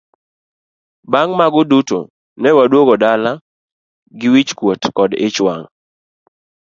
Bang' mag duto ne waduogo dala gi wich kuot kod ich wang'.